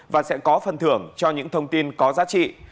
và sẽ có phần thưởng cho những thông tin có giá trị